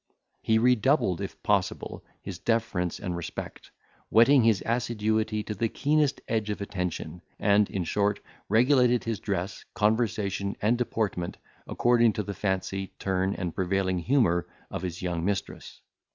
He redoubled, if possible, his deference and respect, whetting his assiduity to the keenest edge of attention; and, in short, regulated his dress, conversation, and deportment, according to the fancy, turn, and prevailing humour of his young mistress.